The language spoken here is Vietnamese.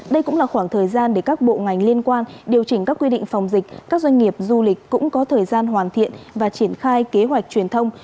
đây cũng là khoảng thời gian để các bộ ngành liên quan điều chỉnh các quy định phòng dịch các doanh nghiệp du lịch cũng có thời gian hoàn thiện và triển khai kế hoạch truyền thông